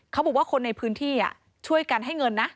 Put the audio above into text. เขาบอกว่าคนในพื้นที่ช่วยกันให้เงินนะ